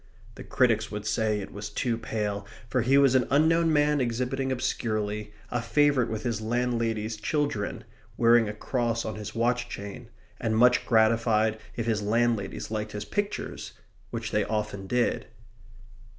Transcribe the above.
The critics would say it was too pale, for he was an unknown man exhibiting obscurely, a favourite with his landladies' children, wearing a cross on his watch chain, and much gratified if his landladies liked his pictures which they often did.